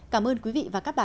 cảm ơn quý vị và các bạn